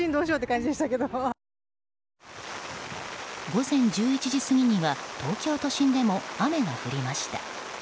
午前１１時過ぎには東京都心でも雨が降りました。